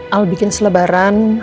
aku bikin selebaran